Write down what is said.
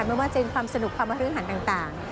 ไม่ว่าจะเป็นความสนุกความวัฒนธรรมต่าง